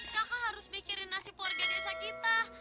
kakak harus mikirin nasib warga desa kita